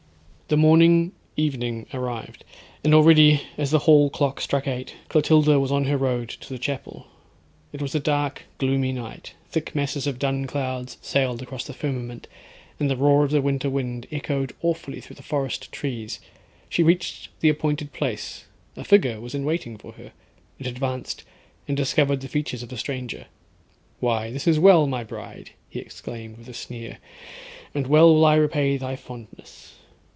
The morning—evening—arrived; and already as the hall clock struck eight, Clotilda was on her road to the chapel. It was a dark, gloomy night, thick masses of dun clouds sailed across the firmament, and the roar of the winter wind echoed awfully through the forest trees. She reached the appointed place; a figure was in waiting for her—it advanced—and discovered the features of the stranger. 'Why! this is well, my bride,' he exclaimed, with a sneer; 'and well will I repay thy fondness.